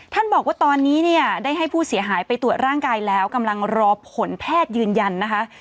บอกว่าตอนนี้เนี่ยได้ให้ผู้เสียหายไปตรวจร่างกายแล้วกำลังรอผลแพทย์ยืนยันนะคะ